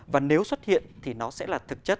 và nếu xuất hiện thì nó sẽ là thực chất